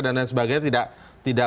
dan lain sebagainya tidak